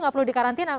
nggak perlu dikarantina